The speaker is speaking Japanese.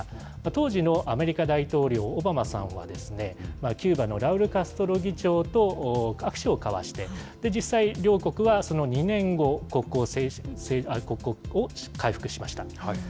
当時のアメリカ大統領、オバマさんは、キューバのラウル・カストロ議長と握手を交わして、実際、両国はその２年後、国交を回復しました。